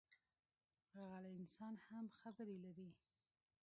غلی انسان هم خبرې لري